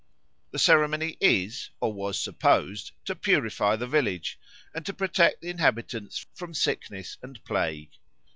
The ceremony is or was supposed to purify the village and to protect the inhabitants from sickness and plague.